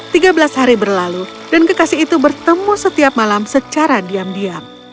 tiga belas hari berlalu dan kekasih itu bertemu setiap malam secara diam diam